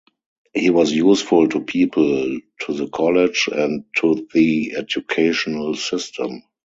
He was useful to people, to the college and to the educational system.